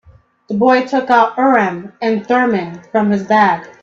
The boy took out Urim and Thummim from his bag.